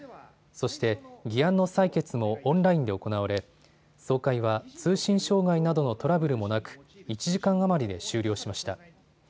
そして議案の採決もオンラインで行われ、総会は通信障害などのトラブルもなく１時間余りで終了しました。